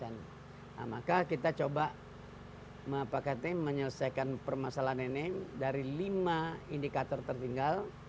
nah maka kita coba mepakati menyelesaikan permasalahan ini dari lima indikator tertinggal